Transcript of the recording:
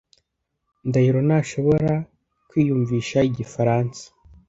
Ndahiro ntashobora kwiyumvisha igifaransa.